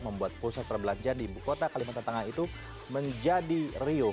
membuat pusat perbelanjaan di ibu kota kalimantan tengah itu menjadi rio